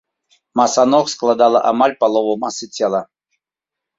Маса ног складала амаль палову масы цела.